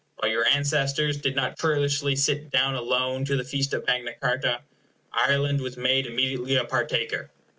But your ancestors did not churlishly sit down alone to the feast of Magna Charta. Ireland was made immediately a partaker.